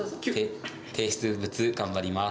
提出物頑張ります。